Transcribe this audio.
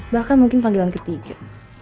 bahkan mungkin panggilan ketiga